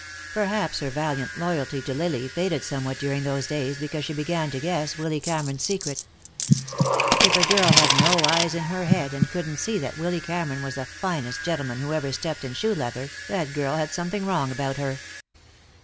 Perhaps her valiant loyalty to Lily faded somewhat during those days, because she began to guess Willy Cameron's secret. If a girl had no eyes in her head, and couldn't see that Willy Cameron was the finest gentleman who ever stepped in shoe leather, that girl had something wrong about her.